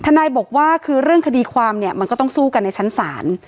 นายบอกว่าคือเรื่องคดีความเนี่ยมันก็ต้องสู้กันในชั้นศาล